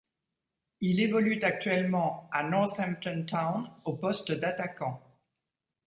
Il évolue actuellement à Northampton Town au poste d'attaquant.